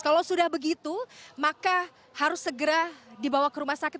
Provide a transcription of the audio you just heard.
kalau sudah begitu maka harus segera dibawa ke rumah sakit